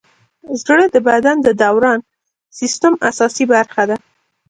زړه د بدن د دوران سیسټم اساسي برخه ده.